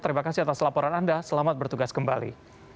terima kasih atas laporan anda selamat bertugas kembali